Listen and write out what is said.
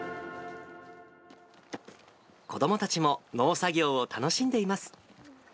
子どもたちも、農作業を楽しんでいます。